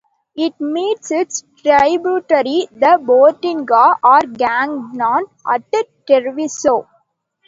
It meets its tributary the Botteniga, or Cagnan, at Treviso.